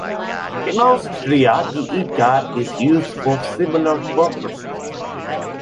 In Austria the e-card is used for similar purposes.